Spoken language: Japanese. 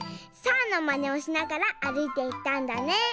「さあ！」のまねをしながらあるいていったんだね。